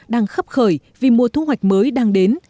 đang khắp khởi vì mùa thu hoạch mới đang đến